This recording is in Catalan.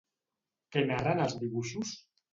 Què narren els dibuixos?